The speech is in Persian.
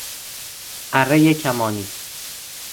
ارهی کمانی